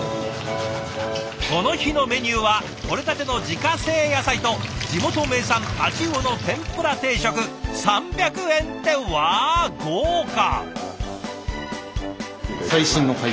この日のメニューはとれたての自家製野菜と地元名産太刀魚の天ぷら定食３００円ってわ豪華！